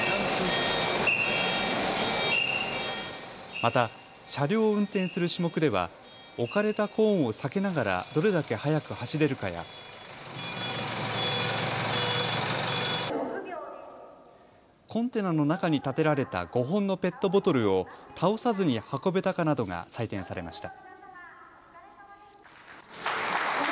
また、車両を運転する種目では置かれたコーンを避けながらどれだけ速く走れるかやコンテナの中に立てられた５本のペットボトルを倒さずに運べたかなどが採点されました。